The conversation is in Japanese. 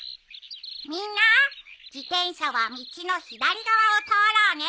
「みんな自転車は道の左側を通ろうね」